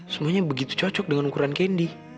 semuanya begitu cocok dengan ukuran kendi